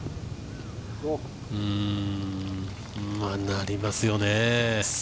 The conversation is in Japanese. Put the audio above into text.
まあ、なりますよね。